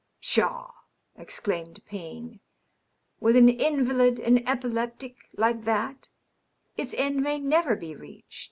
" Pshaw !" exclaimed Payne. " With an invalid, an epileptic, like that, its end may never be reached."